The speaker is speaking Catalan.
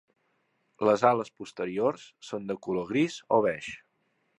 Les ales posteriors són de color gris o beix.